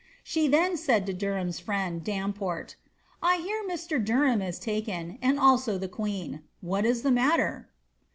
Slie then said to Der ham's friend, Damport, ^I hear Mr. Deiham is taken, and also tlie queen : what is the matter